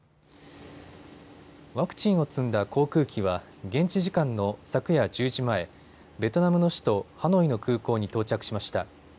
ワクチンを積んだ航空機は現地時間の昨夜１０時前、ベトナムの首都、ハノイの空港に到着しました。